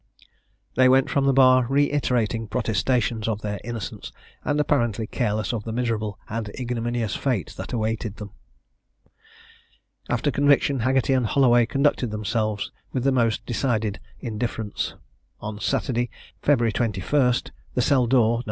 They went from the bar reiterating protestations of their innocence, and apparently careless of the miserable and ignominious fate that awaited them. After conviction Haggerty and Holloway conducted themselves with the most decided indifference. On Saturday, February 21, the cell door, No.